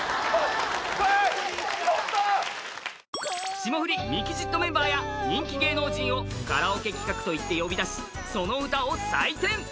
「霜降りミキＸＩＴ」メンバーや人気芸能人をカラオケ企画と言って呼び出しその歌を採点！